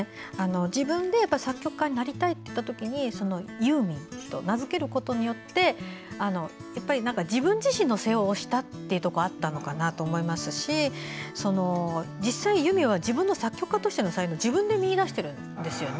自分で作曲家になりたいといった時にユーミンと名付けることによって自分自身の世話をしたというところがあったのかなと思いますし実際、由実は自分の作曲家としての才能を自分で見いだしているんですね。